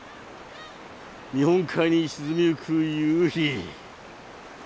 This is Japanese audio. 日本海に沈みゆく夕日。